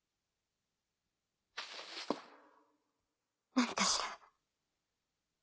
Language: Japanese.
何かしら？